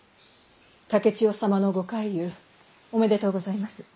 竹千代様のご快癒おめでとうございます。